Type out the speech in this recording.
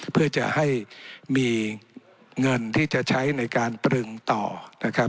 เพื่อจะให้มีเงินที่จะใช้ในการตรึงต่อนะครับ